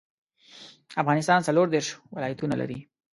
افغانستان څلوردیرش ولایاتونه لري